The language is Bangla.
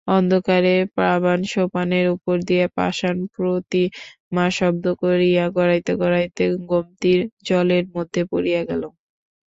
অন্ধকারে পাবাণসোপানের উপর দিয়া পাষাণ প্রতিমাশব্দ করিয়া গড়াইতে গড়াইতে গোমতীর জলের মধ্যে পড়িয়া গেল।